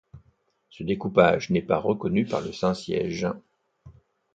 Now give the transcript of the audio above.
Ce découpage n'est pas reconnu par le Saint-Siège.